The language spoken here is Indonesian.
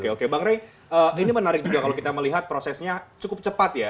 oke oke bang rey ini menarik juga kalau kita melihat prosesnya cukup cepat ya